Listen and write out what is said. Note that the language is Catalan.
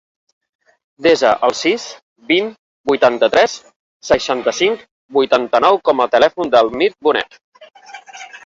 Desa el sis, vint, vuitanta-tres, seixanta-cinc, vuitanta-nou com a telèfon del Mirt Bonet.